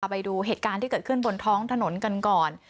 ไปดูเหตุการณ์ที่เกิดขึ้นบนท้องถนนกันก่อน